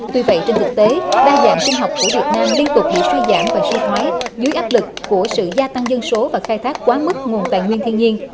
tuy vậy trên thực tế đa dạng sinh học của việt nam liên tục bị suy giảm và suy thoái dưới áp lực của sự gia tăng dân số và khai thác quá mức nguồn tài nguyên thiên nhiên